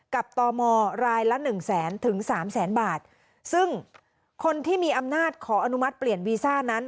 ตมรายละหนึ่งแสนถึงสามแสนบาทซึ่งคนที่มีอำนาจขออนุมัติเปลี่ยนวีซ่านั้น